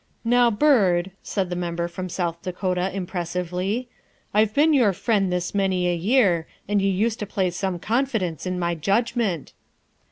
" Now, Byrd," said the Member from South Dakota impressively, " I've been your friend this many a year, and you used to place some confidence in my judgment."